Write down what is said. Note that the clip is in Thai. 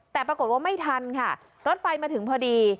แต่ปรากฏว่าไม่ทันค่ะรถไฟมาถึงพอดี